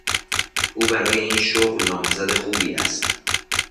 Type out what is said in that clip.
او برای این شغل نامزد خوبی است.